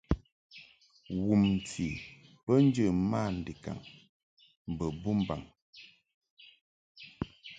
Wumti bə njə mandikaŋ mbo bumbaŋ.